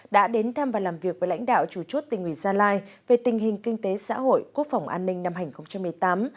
đã đến thăm và làm việc với lãnh đạo chủ chốt tỉnh nguyễn gia lai về tình hình kinh tế xã hội quốc phòng an ninh năm hai nghìn một mươi tám